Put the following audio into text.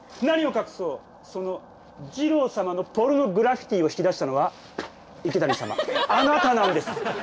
何を隠そうそのじろう様の「ポルノグラフィティ」を引き出したのは池谷様あなたなんです！